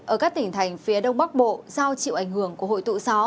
ở các tỉnh thành phía đông bắc bộ do chịu ảnh hưởng của hội tụ gió